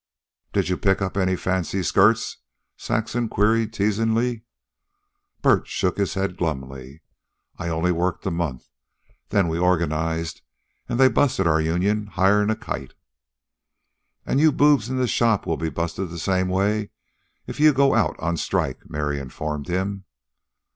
"Did you pick up any fancy skirts?" Saxon queried teasingly. Bert shook his head glumly. "I only worked a month. Then we organized, and they busted our union higher'n a kite." "And you boobs in the shops will be busted the same way if you go out on strike," Mary informed him.